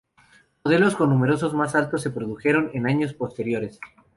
Modelos con números más altos se produjeron en años posteriores.